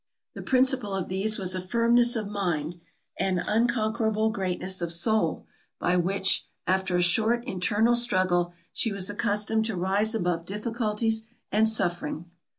The principal of these was a firmness of mind, an unconquerable greatness of soul, by which, after a short internal struggle, she was accustomed to rise above difficulties and suffering.